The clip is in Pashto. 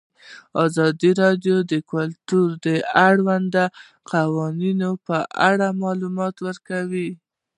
ازادي راډیو د کلتور د اړونده قوانینو په اړه معلومات ورکړي.